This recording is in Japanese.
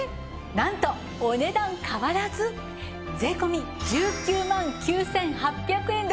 なんとお値段変わらず税込１９万９８００円です。